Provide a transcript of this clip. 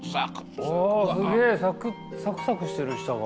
おすげえサクッとサクサクしてる下が。